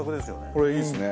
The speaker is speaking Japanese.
これいいですね。